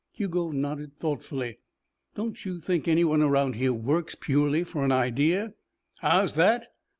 Hugo nodded thoughtfully. "Don't you think anyone around here works purely for an idea?" "How's that?